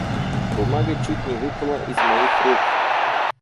Бумага чуть не выпала из моих рук.